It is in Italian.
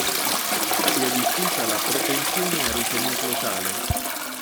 Si è diffusa la propensione a ritenerlo tale.